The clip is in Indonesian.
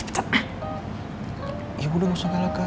ya udah gak usah ngelakar